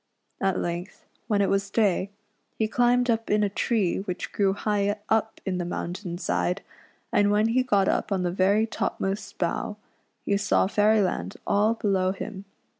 At length, when it was day, he climbed up in a tree which REDCAP'S ADVENTURES IN E AIRY LAND 93 grew high up in the mountain side, and when he got up on the very topmost bough, he saw Fairyland all below him.